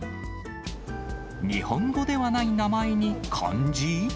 日本語ではない名前に漢字？